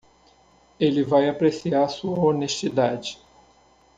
Ele vai apreciar sua honestidade.